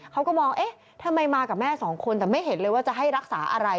เขาก็มองเอ๊ะทำไมมากับแม่สองคนแต่ไม่เห็นเลยว่าจะให้รักษาอะไร